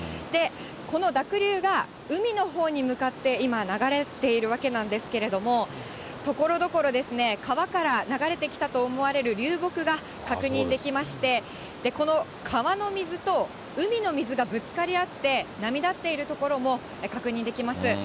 この濁流が海のほうに向かって、今、流れているわけなんですけれども、ところどころ、川から流れてきたと思われる流木が確認できまして、この川の水と、海の水がぶつかり合って波立っている所も確認できます。